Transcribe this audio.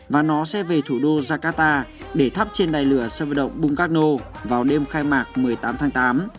và nó sẽ về thủ đô jakarta để thắp trên đài lửa sân vật động bungkarno vào đêm khai mạc một mươi tám tháng tám